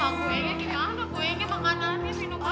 aku ingat kita ada kuenya makanannya sih nuka